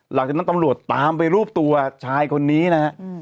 หลังจากนั้นตำรวจตามไปรวบตัวชายคนนี้นะฮะ